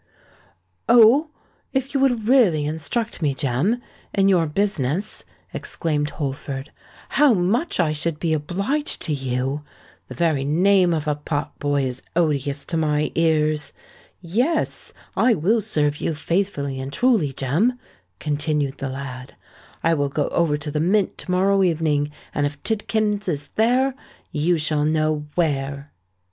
"Oh! if you would really instruct me, Jem, in your business," exclaimed Holford, "how much I should be obliged to you! The very name of a pot boy is odious to my ears. Yes—I will serve you faithfully and truly, Jem," continued the lad: "I will go over to the Mint to morrow evening; and if Tidkins is there, you shall know where."